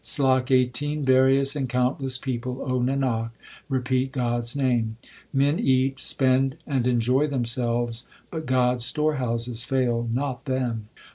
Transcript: SLOK XVIII Various and countless people, O Nanak, repeat God s name. Men eat, spend, and enjoy 3 themselves, but God s store houses fail not them.